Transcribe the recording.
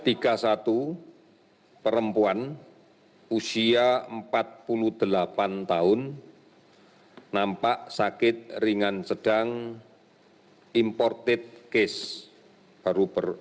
nomor tiga puluh satu perempuan usia empat puluh delapan tahun nampak sakit ringan sedang imported case